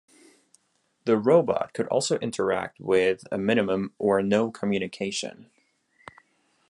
The robot could also interact with a minimum or no communication.